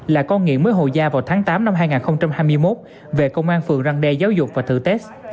là con nghiện mới hồ da vào tháng tám năm hai nghìn hai mươi một về công an phường răng đe giáo dục và thử test